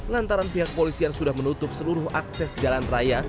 lantaran pihak polisian sudah menutup seluruh akses jalan raya